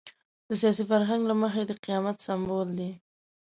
د سیاسي فرهنګ له مخې د قیامت سمبول دی.